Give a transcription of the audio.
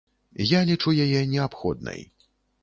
Я лічу яе неабходнай.